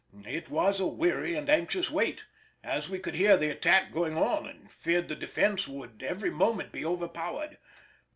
It was a weary and anxious wait, as we could hear the attack going on and feared the defence would every moment be overpowered.